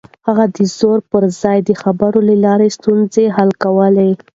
هغه د زور پر ځای د خبرو له لارې ستونزې حل کولې.